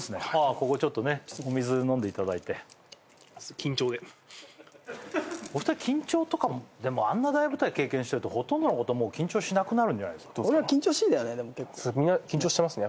ここちょっとねお水飲んでいただいてちょっと緊張ででもあんな大舞台経験してるとほとんどのことはもう緊張しなくなるんじゃないですかみんな緊張してますね